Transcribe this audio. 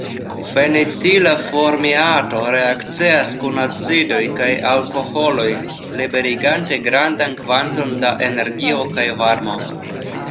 Fenetila formiato reakcias kun acidoj kaj alkoholoj liberigante grandan kvanton da energio kaj varmo.